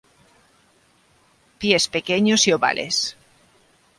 Pies pequeños y ovales.